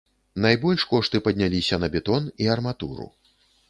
Найбольш кошты падняліся на бетон і арматуру.